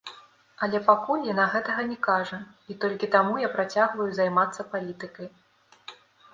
Але пакуль яна гэтага не кажа, і толькі таму я працягваю займацца палітыкай.